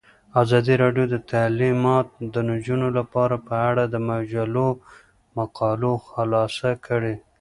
ازادي راډیو د تعلیمات د نجونو لپاره په اړه د مجلو مقالو خلاصه کړې.